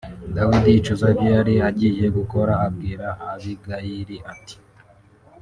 Dawidi yicuza ibyo yari agiye gukora abwira Abigayili ati